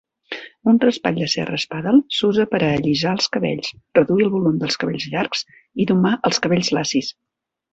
Un raspall de cerres "paddle" s'usa per a allisar els cabells, reduir el volum dels cabells llargs i domar els cabells lacis.